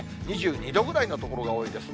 ２２度ぐらいの所が多いです。